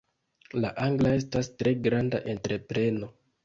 La angla estas tre granda entrepreno.